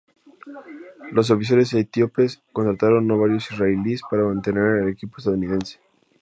Los oficiales etíopes contrataron a varios israelíes para mantener el equipo estadounidense.